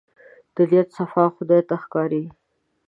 د نيت صفا خدای ته ښکاري.